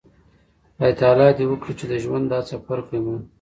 خدای تعالی د وکړي چې د ژوند دا څپرکی مو